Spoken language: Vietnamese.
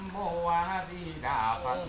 nam mô a di đạo phật